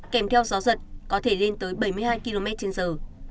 kèm theo gió giật có thể lên tới bảy mươi hai km trên giờ